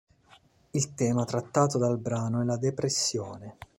Il tema trattato dal brano è la depressione.